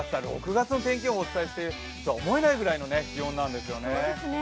６月の天気予報をお伝えしているとは思えないくらいの気温なんですよね。